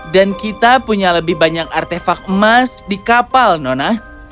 dan kita punya lebih banyak artefak emas di kapal nona